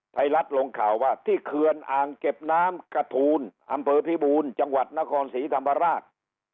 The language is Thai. ไทยรัฐลงข่าวว่าที่เคือนอ่างเก็บน้ำกระทูลอำเภอพิบูรณ์จังหวัดนครศรีธรรมราช